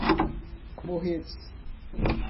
Morretes